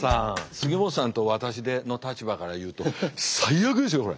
杉本さんと私の立場から言うと最悪ですよこれ。